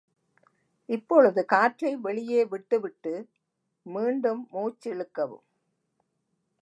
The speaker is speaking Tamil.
இப்பொழுது காற்றை வெளியே விட்டு விட்டு, மீண்டும் மூச்சிழுக்கவும்.